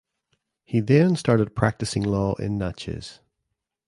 He then started practicing law in Natchez.